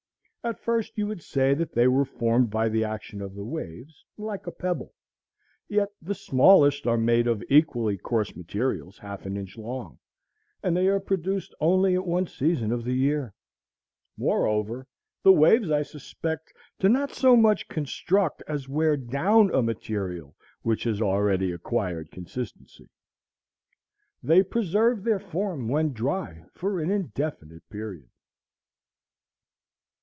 At first you would say that they were formed by the action of the waves, like a pebble; yet the smallest are made of equally coarse materials, half an inch long, and they are produced only at one season of the year. Moreover, the waves, I suspect, do not so much construct as wear down a material which has already acquired consistency. They preserve their form when dry for an indefinite period.